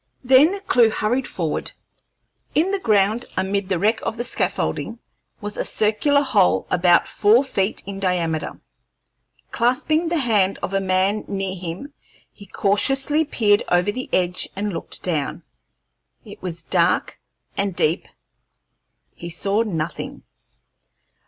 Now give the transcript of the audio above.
Then Clewe hurried forward. In the ground, amid the wreck of the scaffolding, was a circular hole about four feet in diameter. Clasping the hand of a man near him, he cautiously peered over the edge and looked down. It was dark and deep; he saw nothing.